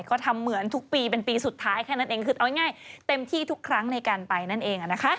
ก็ทำเหมือนทุกปีเป็นปีสุดท้ายแค่นั้นเองคือเอาง่ายเต็มที่ทุกครั้งในการไปนั่นเองนะคะ